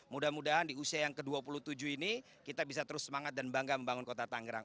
mudah mudahan di usia yang ke dua puluh tujuh ini kita bisa terus semangat dan bangga membangun kota tangerang